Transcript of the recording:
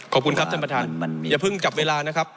ขอบคุณครับท่านประธานอย่าเพิ่งจับเวลานะครับ